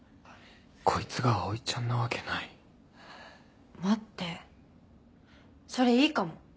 こいつが葵ちゃんなわけない待ってそれいいかも。